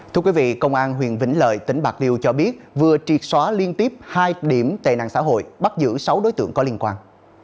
thưa quý vị công an huyện vĩnh lợi tỉnh bạc liêu cho biết vừa triệt xóa liên tiếp hai điểm tệ nạn xã hội bắt giữ sáu đối tượng có liên quan